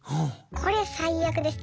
これ最悪ですね。